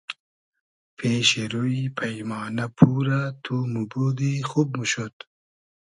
پېشی روی پݷمانۂ پورۂ تو موبودی خوب موشود